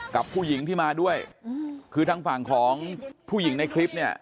กับผู้หญิงที่มาด้วยคือทางฝั่งของผู้หญิงในคลิปเนี่ย